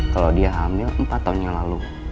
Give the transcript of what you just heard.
kalau dia hamil empat tahun yang lalu